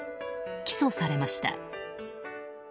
起訴されました。